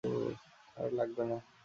আর লাগবে না!